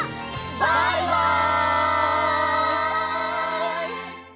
バイバイ！